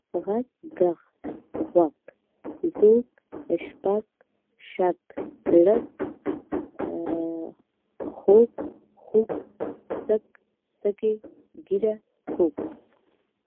غږ، ږغ، غوَږ، ځوږ، شپږ، شږ، لږ، خوږ، خُوږ، سږ، سږی، ږېره، کوږ،